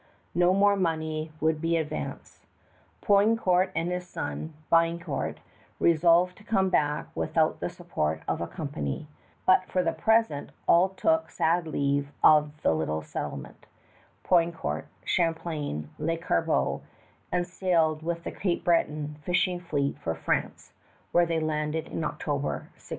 No more money would be advanced. Poutrincourt and his son, Biencourt, resolved to come back without the support of a company; but for the present all took sad leave of the little settlement Poutrincourt, Champlain, L'Escarbot and sailed with the Cape Breton fishing fleet for France, where they landed in October, 1607.